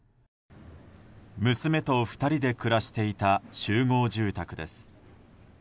娘と２人で暮らしていた集合住宅です。